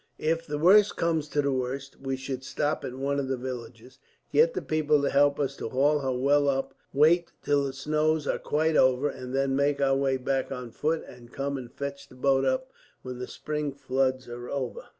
"If the worst comes to the worst, we should stop at one of the villages, get the people to help us to haul her well up, wait till the snows are quite over, and then make our way back on foot, and come and fetch the boat up when the spring floods are over."